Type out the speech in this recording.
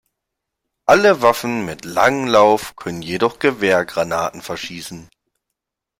Alle Waffen mit langem Lauf können jedoch Gewehrgranaten verschießen.